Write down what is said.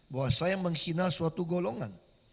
bahwa saya menghina suatu golongan